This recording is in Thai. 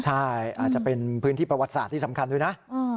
ใช่อาจจะเป็นพื้นที่ประวัติศาสตร์ที่สำคัญด้วยนะ